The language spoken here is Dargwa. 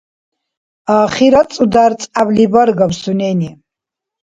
Ахират цӀудар-цӀябли баргаб сунени!